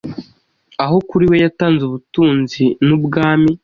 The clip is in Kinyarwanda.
Aho kuri we yatanze ubutunzi nubwami